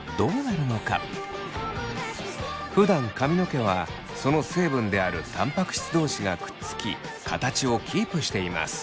ふだん髪の毛はその成分であるたんぱく質同士がくっつき形をキープしています。